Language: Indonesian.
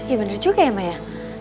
iya bener juga ya maya